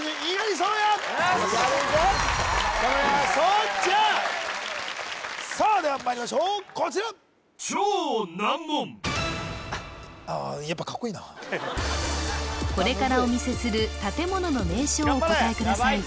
蒼弥頑張ります蒼ちゃんさあではまいりましょうこちらああやっぱカッコいいなこれからお見せする建物の名称をお答えください